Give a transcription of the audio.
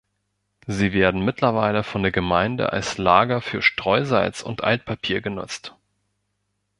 Sie werden mittlerweile von der Gemeinde als Lager für Streusalz und Altpapier genutzt.